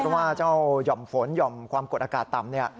เพราะว่าเจ้าหย่อมฝนหย่อมความกดอากาศต่ำเนี่ย